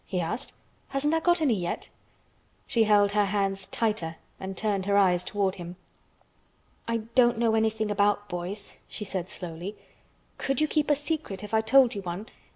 he asked. "Hasn't tha' got any yet?" She held her hands tighter and turned her eyes toward him. "I don't know anything about boys," she said slowly. "Could you keep a secret, if I told you one?